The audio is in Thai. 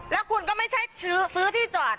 แล้วคุณก็ไม่ใช่ซื้อที่จอด